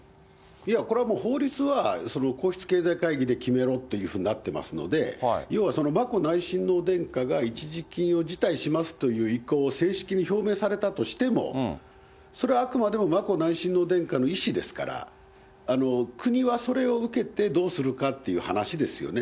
いや、これはもう、法律はその皇室経済会議で決めろっていうふうになってますので、要は、眞子内親王殿下が一時金を辞退しますっていう意向を正式に表明されたとしても、それはあくまでも、眞子内親王殿下の意思ですから、国はそれを受けて、どうするかっていう話ですよね。